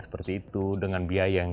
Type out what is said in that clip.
seperti itu dengan biaya yang